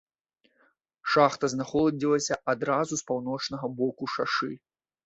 Шахта знаходзілася адразу з паўночнага боку шашы.